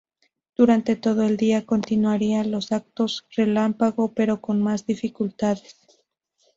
Durante todo el día continuarían los actos relámpago, pero con más dificultades.